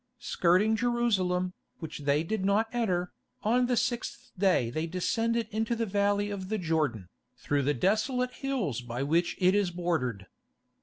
Skirting Jerusalem, which they did not enter, on the sixth day they descended into the valley of the Jordan, through the desolate hills by which it is bordered.